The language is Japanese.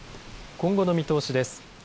今後の見通しです。